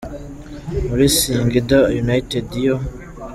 muri Singida United yo